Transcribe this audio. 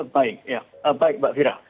baik ya baik mbak fira